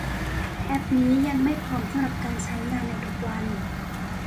แอพนี้ยังไม่พร้อมสำหรับการใช้งานในทุกวัน